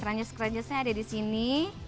krenyes krenyesnya ada di sini